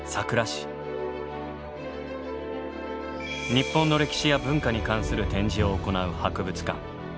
日本の歴史や文化に関する展示を行う博物館。